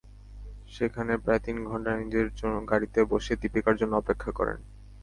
সেখানে প্রায় তিন ঘণ্টা নিজের গাড়িতে বসে দীপিকার জন্য অপেক্ষা করেন।